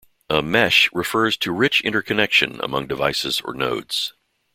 A mesh refers to rich interconnection among devices or nodes.